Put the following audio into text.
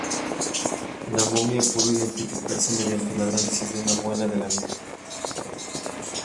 La momia pudo identificarse mediante el análisis de una muela de la misma.